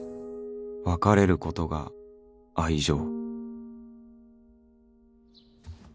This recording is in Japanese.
別れることが愛情？